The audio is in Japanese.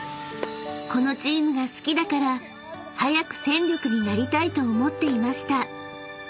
［このチームが好きだから早く戦力になりたいと思っていました］